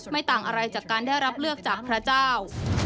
ต่างอะไรจากการได้รับเลือกจากพระเจ้า